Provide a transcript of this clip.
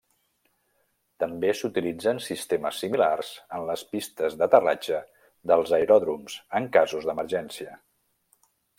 També s'utilitzen sistemes similars en les pistes d'aterratge dels aeròdroms, en casos d'emergència.